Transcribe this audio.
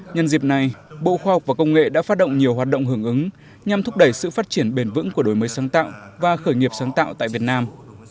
nhân dịp này bộ khoa học và công nghệ đã phát động nhiều hoạt động hưởng ứng nhằm thúc đẩy sự phát triển bền vững của đổi mới sáng tạo và khởi nghiệp sáng tạo tại việt nam